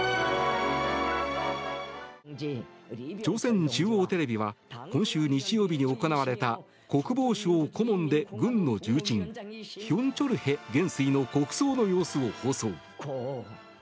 朝鮮中央テレビは今週日曜日に行われた国防省顧問で軍の重鎮ヒョン・チョルヘ元帥の国葬の様子を放送。